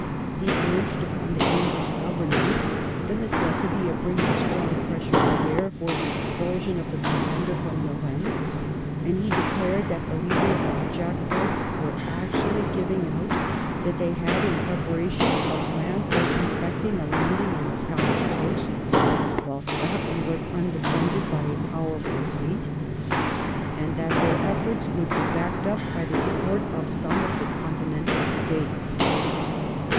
He urged upon the Enghsh Government the necessity of bringing strong pres sure to bear for the expulsion of the Pretender from Lorraine, and he declared that the leaders of the Jacobites were actually giving out that they had in preparation a plan for effecting a landing on the Scottish coast, while Scotland was undefended by a powerful fleet, and that their efforts would be backed up by the support of some of the Conti nental States.